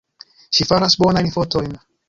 Ŝi faras bonajn fotojn.